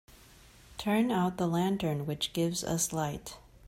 Turn out the lantern which gives us light.